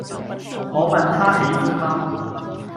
我問他喜歡嗎